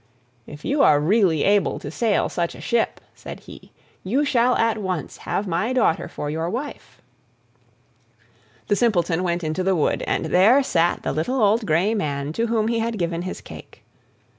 "If you are really able to sail such a ship," said he, "you shall at once have my daughter for your wife." The Simpleton went into the wood, and there sat the little old grey man to whom he had given his cake.